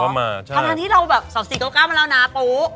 ประมาณที่เราแบบสองสี่เก้ามาแล้วนะปู